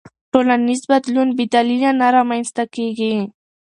ټولنیز بدلون بې دلیله نه رامنځته کېږي.